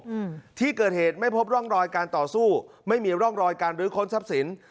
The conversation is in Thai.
อืมที่เกิดเหตุไม่พบร่องรอยการต่อสู้ไม่มีร่องรอยการรื้อค้นทรัพย์สิน